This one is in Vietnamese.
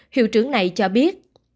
hiệu trưởng này cho biết